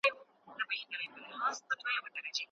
نه صیاد نه قفس وینم قسمت ایښی راته دام دی